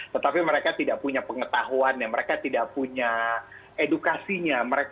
tetapi mereka tidak punya pengetahuan mereka tidak punya edukasinya